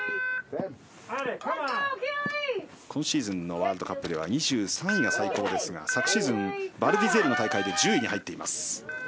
今シーズンのワールドカップでは２３位が最高ですが昨シーズンの大会で１０位に入っています。